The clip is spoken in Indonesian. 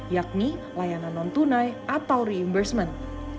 yakni layanan non tunai atau reimbursement